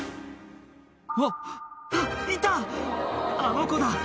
あっあっいたあの子だ！